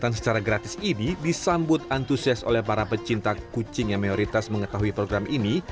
dan secara gratis ini disambut antusias oleh para pecinta kucing yang mayoritas mengetahui program ini